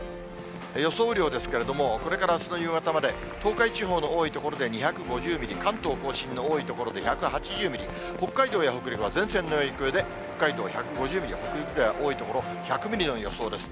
予想雨量ですけれども、これからあすの夕方まで、東海地方の多い所で２５０ミリ、関東甲信の多い所で１８０ミリ、北海道や北陸は前線の影響で北海道１５０ミリ、北陸では多い所、１００ミリの予想です。